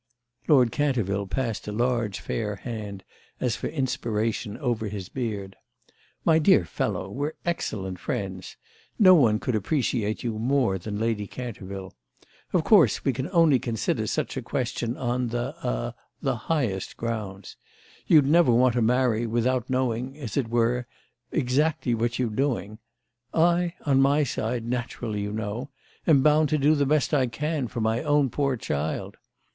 Lord Canterville passed a large fair hand, as for inspiration, over his beard. "My dear fellow, we're excellent friends. No one could appreciate you more than Lady Canterville. Of course we can only consider such a question on the—a—the highest grounds. You'd never want to marry without knowing—as it were—exactly what you're doing. I, on my side, naturally, you know, am bound to do the best I can for my own poor child.